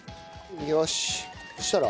よし。